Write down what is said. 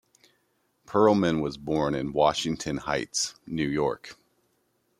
Perlman was born in Washington Heights, New York.